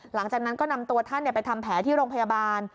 หลังจากนั้นก็นำตัวท่านไปทำแผลที่โรงพยาบาล